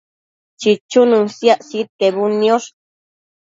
chichunën siac sidquebudniosh